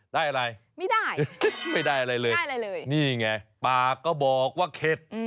ได้อะไรไม่ได้ไม่ได้อะไรเลยนี่ไงปาก็บอกว่าเข็ด